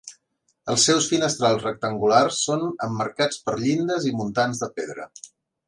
Els seus finestrals rectangulars són emmarcats per llindes i muntants de pedra.